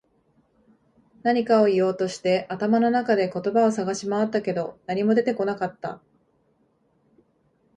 何かを言おうとして、頭の中で言葉を探し回ったけど、何も出てこなかった。